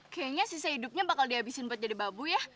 kayanya sisa hidupnya bakal dihabisin buat jadi babu yah